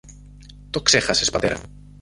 Το ξέχασες, πατέρα;